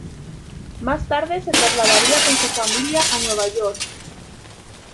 Más tarde se trasladaría con su familia a Nueva York.